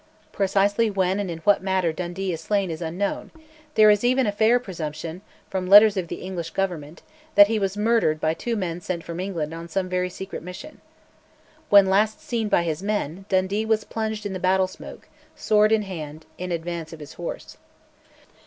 Precisely when and in what manner Dundee was slain is unknown; there is even a fair presumption, from letters of the English Government, that he was murdered by two men sent from England on some very secret mission. When last seen by his men, Dundee was plunged in the battle smoke, sword in hand, in advance of his horse.